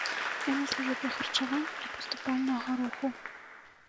Яны служаць для харчавання і паступальнага руху.